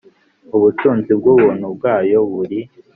ubutunzi bw ubuntu bwayo buri